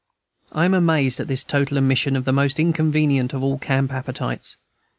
I am amazed at this total omission of the most inconvenient of all camp appetites.